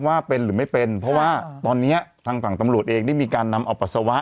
ว่าเป็นหรือไม่เป็นเพราะว่าตอนนี้ทางฝั่งตำรวจเองได้มีการนำเอาปัสสาวะ